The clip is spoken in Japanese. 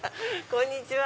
こんにちは。